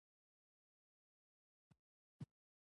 تر زبېښونکو بنسټونو لاندې اقتصادي وده متفاوته ده.